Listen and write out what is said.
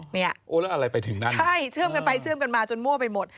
เนี่ยโอ้แล้วอะไรไปถึงนั่นใช่เชื่อมกันไปเชื่อมกันมาจนมั่วไปหมด